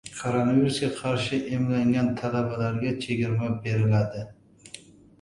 Koronavirusga qarshi emlangan talabalarga chegirma beriladi